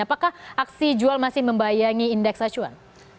apakah aksi jual masih membayangi indeks acuan